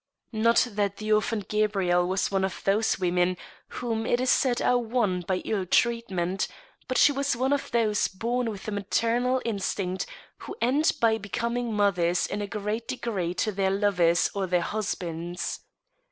Not that the orphaned Gabrielle was one of those women whom it is said are won by ill treatment, but she was one of those bom with a maternal instinct, who end by becoming mothers in a great degree to their lovers or their husbands.